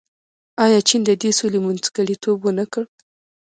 آیا چین د دې سولې منځګړیتوب ونه کړ؟